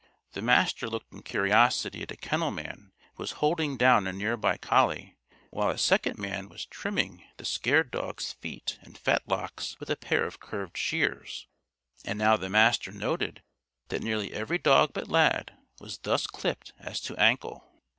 The Master looked in curiosity at a kennel man who was holding down a nearby collie while a second man was trimming the scared dog's feet and fetlocks with a pair of curved shears; and now the Master noted that nearly every dog but Lad was thus clipped as to ankle.